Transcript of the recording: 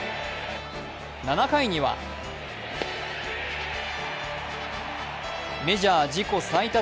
７回にはメジャー自己最多